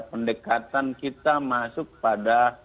pendekatan kita masuk pada